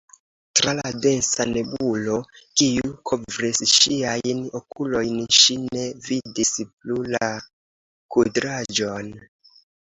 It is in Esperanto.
Tra la densa nebulo, kiu kovris ŝiajn okulojn, ŝi ne vidis plu la kudraĵon.